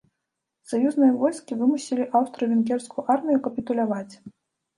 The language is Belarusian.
Саюзныя войскі вымусілі аўстра-венгерскую армію капітуляваць.